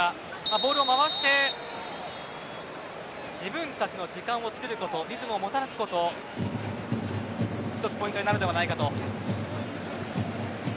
ボールを回して自分たちの時間をつくることリズムをもたらすことひとつポイントになるんではないかと。